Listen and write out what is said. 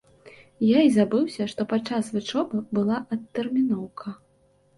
Я і забыўся, што падчас вучобы была адтэрміноўка.